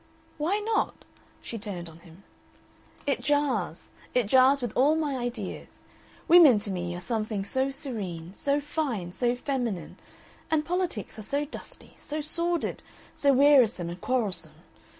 "Why not?" She turned on him. "It jars. It jars with all my ideas. Women to me are something so serene, so fine, so feminine, and politics are so dusty, so sordid, so wearisome and quarrelsome.